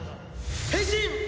変身！